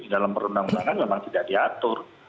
dalam perundang undangan memang tidak diatur